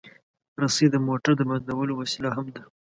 رسۍ د موټر د بندولو وسیله هم ده.